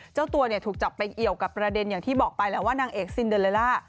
เจ้าตัวเนี่ยถูกจับไปเอี่ยวกับประเด็นอย่างที่บอกไปแล้วว่านางเอกซินเดอเลล่า